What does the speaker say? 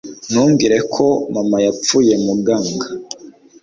ntumbwire ko mama yapfuye Muganga